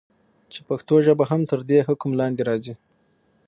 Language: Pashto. چې پښتو ژبه هم تر دي حکم لاندي راځي.